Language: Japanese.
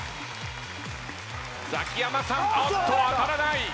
ザキヤマさん当たらない。